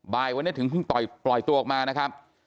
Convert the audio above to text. บ่ายวันนี้ถึงเพิ่งปล่อยตัวออกมานะครับ